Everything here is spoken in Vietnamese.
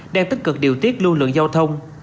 đang tích cực điều tiết lưu lượng giao thông